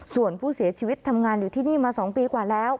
ส่วนผู้เสียชีวิตทำงานอยู่ที่นี่มา๒ปีกว่าแล้ว